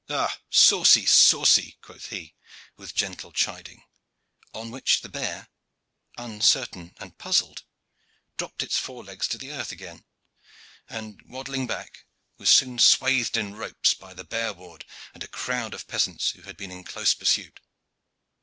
"Ah, saucy! saucy," quoth he, with gentle chiding; on which the bear, uncertain and puzzled, dropped its four legs to earth again, and, waddling back, was soon swathed in ropes by the bear ward and a crowd of peasants who had been in close pursuit.